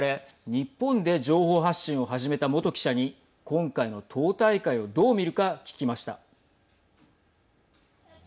日本で情報発信を始めた元記者に今回の党大会をどう見るか聞きました。